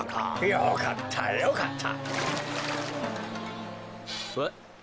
よかったよかった。